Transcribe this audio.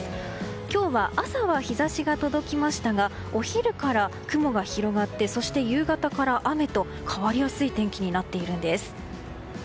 今日は朝は日差しが届きましたがお昼から雲が広がってそして夕方から雨と変わりやすい天気になっているんです。